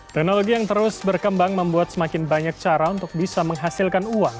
teknologi yang terus berkembang membuat semakin banyak cara untuk bisa menghasilkan uang